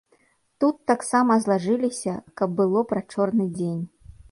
Тут таксама злажыліся, каб было пра чорны дзень.